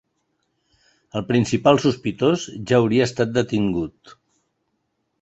El principal sospitós ja hauria estat detingut.